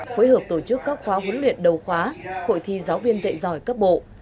phối hợp tổ chức các khóa huấn luyện đầu khóa hội thi giáo viên dạy giỏi cấp bộ